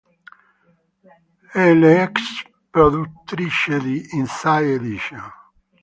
È l'ex produttrice di "Inside Edition".